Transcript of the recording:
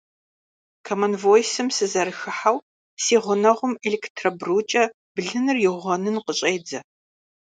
Комон Войсым сызэрыхыхьэу, си гъунэгъум электробрукӏэ блыныр иугъуэнын къыщӏедзэ!